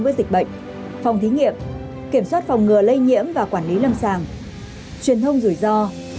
với dịch bệnh phòng thí nghiệm kiểm soát phòng ngừa lây nhiễm và quản lý lâm sàng truyền thông rủi ro